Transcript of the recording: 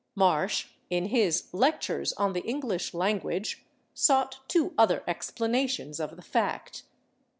Marsh, in his "Lectures on the English Language," sought two other explanations of the fact.